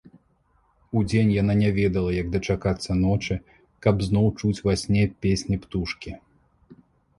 Удзень яна не ведала, як дачакацца ночы, каб зноў чуць ва сне песні птушкі.